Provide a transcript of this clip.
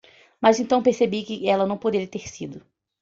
Mas então percebi que ela não poderia ter sido.